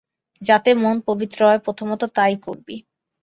যাতে মন পবিত্র হয়, প্রথমত তাই করবি।